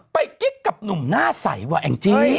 กิ๊กกับหนุ่มหน้าใสว่ะแองจี้